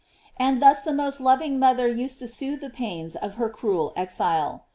And thus the most loving mother used to soothe the pains of her cruel ex ile.